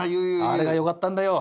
あれがよかったんだよ。